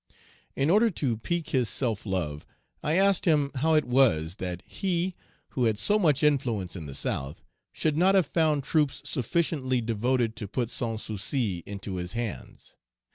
In order to pique his self love, I asked him how it was that he, who had so much influence in the South, should not have found troops sufficiently devoted to put Sans Souci into his hands.